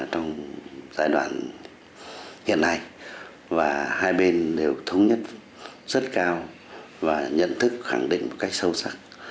trong giai đoạn hiện nay và hai bên đều thống nhất rất cao và nhận thức khẳng định một cách sâu sắc